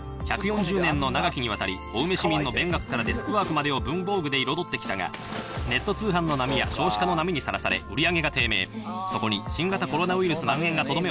１４０年の長きにわたり、青梅市民の勉学からデスクワークまでを文房具で彩ってきたが、ネット通販の波や少子化の波にさらされ、売り上げが低迷。